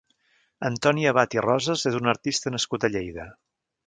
Antoni Abad i Roses és un artista nascut a Lleida.